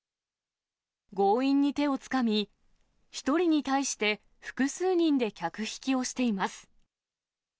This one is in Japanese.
強引に手をつかみ、１人に対して複数人で客引きをしています。